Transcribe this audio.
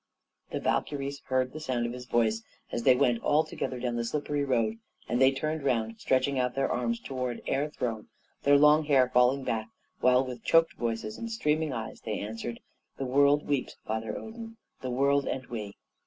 The Valkyries heard the sound of his voice as they went all together down the slippery road, and they turned round, stretching out their arms towards Air Throne, their long hair falling back, while, with choked voices and streaming eyes, they answered, "The world weeps, Father Odin; the world and we."